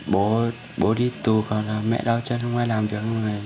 bố đi tù còn mẹ đau chân không ai làm cho